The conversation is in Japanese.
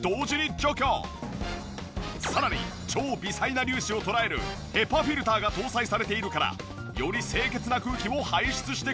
さらに超微細な粒子を捕らえるＨＥＰＡフィルターが搭載されているからより清潔な空気を排出してくれる！